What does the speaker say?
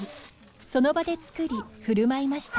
その場で作り振る舞いました。